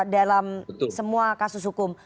dalam semua kasus hukum